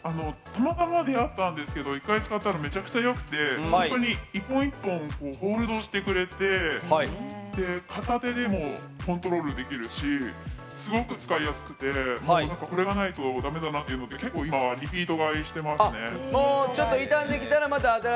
たまたま出会ったんですけど、１回使ったらめちゃくちゃ良くて、一本一本ホールドしてくれて、片手でもコントロールできるし、すごく使いやすくて、これがないとダメだなって、結構今リピート買いしてますね。